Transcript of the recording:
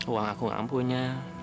uang aku gak punya